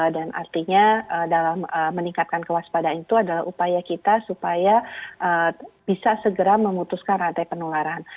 dan artinya dalam meningkatkan kewaspadaan itu adalah upaya kita supaya bisa segera memutuskan rantai penularan